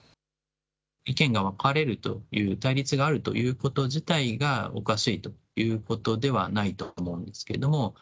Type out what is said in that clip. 意見が分かれるという、対立があるということ自体がおかしいということではないと思うんですけれども。